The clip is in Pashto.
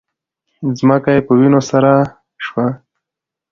ځمکه یې په وینو سره شوه